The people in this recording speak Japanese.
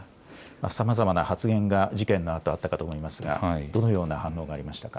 さまざまな発言が事件のあとあったかと思いますがどのような反応がありましたか。